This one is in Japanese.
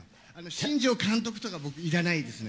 新庄監督とか僕、いらないですね。